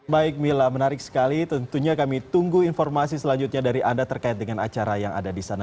baik mila menarik sekali tentunya kami tunggu informasi selanjutnya dari anda terkait dengan acara yang ada di sana